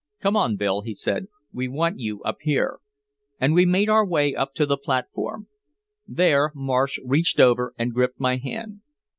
"Come on, Bill," he said. "We want you up here." And we made our way up to the platform. There Marsh reached over and gripped my hand.